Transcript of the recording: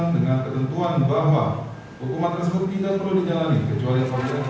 dengan ketentuan bahwa hukuman tersebut tidak perlu dijalani kecuali